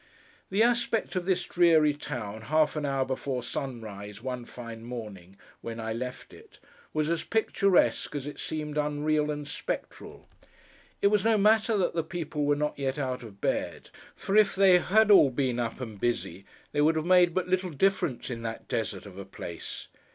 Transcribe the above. The aspect of this dreary town, half an hour before sunrise one fine morning, when I left it, was as picturesque as it seemed unreal and spectral. It was no matter that the people were not yet out of bed; for if they had all been up and busy, they would have made but little difference in that desert of a place.